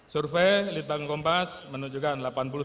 survei litang kompas menunjukkan